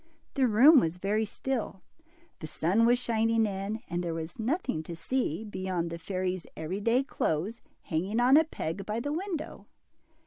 The room was very still, the sun was shining in, and there was nothing to see, beyond the fairy's every day clothes hanging on a peg by the window.